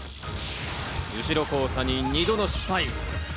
後ろ交差に２度も失敗。